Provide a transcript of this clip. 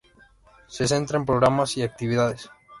Se centra en programas y actividades.